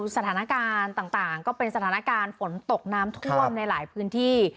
สถานการณ์ต่างก็เป็นสถานการณ์ฝนตกน้ำท่วมในหลายพื้นที่